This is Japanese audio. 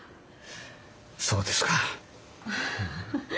そうですか。